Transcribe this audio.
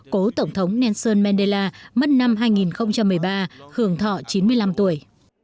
cố tổng thống nelson mandela mất năm hai nghìn một mươi ba hưởng thọ chín mươi năm tuổi